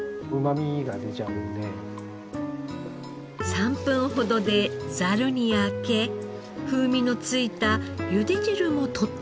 ３分ほどでざるにあけ風味のついた茹で汁もとっておきます。